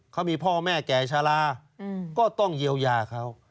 เขามีพ่อแม่แก่ชะลาก็ต้องเยียวยาเขา